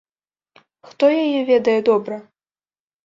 Хто яе ведае добра?